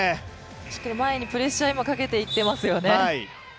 しっかり前にプレッシャーをかけていっていますよね。